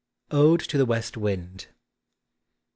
ODE TO THE WEST WIND. i.